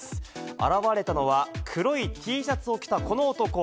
現れたのは、黒いＴシャツを着たこの男。